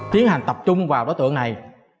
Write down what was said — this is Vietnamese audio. tiến hành tập trung vào đối tượng này